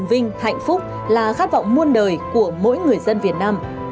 vinh hạnh phúc là khát vọng muôn đời của mỗi người dân việt nam